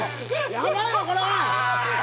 ヤバいよこれは！